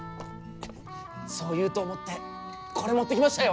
そう言うと思ってこれ持ってきましたよ。